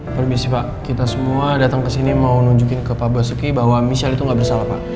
permisi pak kita semua datang kesini mau nunjukin ke pak basuki bahwa misal itu nggak bersalah pak